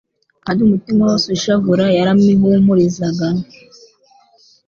kandi umutima wose ushavura yaramihumurizaga.